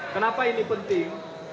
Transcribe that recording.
kenapa ini penting